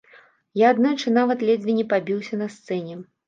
Я аднойчы нават ледзь не пабіўся на сцэне!